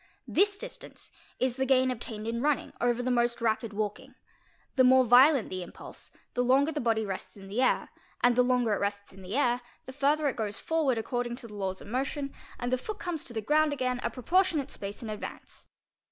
This distance is the gain obtained in running over the most rapid walking; the more violent the impulse, the longer the body rests 'in the air; and the longer it rests in the air, the further it goes forward according to the laws of motion, and the foot comes to the ground again a proportionate space in advance.